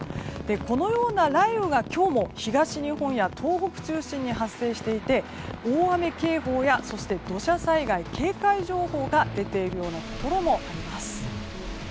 このような雷雨が今日も東日本や東北中心に発生していて大雨警報や土砂災害警戒情報が出ているところもあります。